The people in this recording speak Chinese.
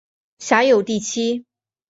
辖有第七。